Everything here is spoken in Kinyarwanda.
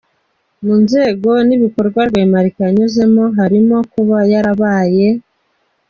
Mu nzego n’ibikorwa Rwemarika yanyuzemo harimo kuba yarabaye:.